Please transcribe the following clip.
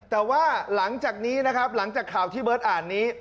แต่ว่าหลังจากนี้นะครับหลังจากข่าวที่เบิร์ตอ่านนี้